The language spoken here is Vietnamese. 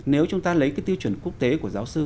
nếu chúng ta lấy cái tiêu chuẩn quốc tế của giáo sư